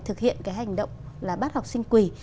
thực hiện cái hành động là bắt học sinh quỳ